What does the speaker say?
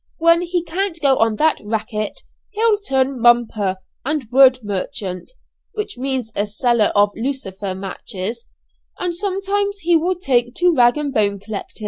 When he can't go on that 'racket,' he'll turn 'mumper' and wood merchant (which means a seller of lucifer matches); and sometimes he will take to rag and bone collecting."